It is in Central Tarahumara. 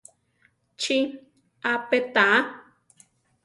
Chi á pe tá.